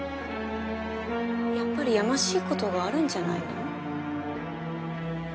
やっぱりやましいことがあるんじゃないの？